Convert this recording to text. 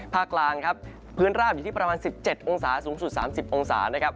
กลางครับพื้นราบอยู่ที่ประมาณ๑๗องศาสูงสุด๓๐องศานะครับ